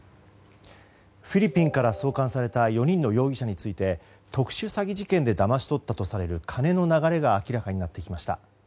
フィリピンから送還された４人の容疑者について特殊詐欺事件でだまし取ったとされる金の流れが明らかになってきました。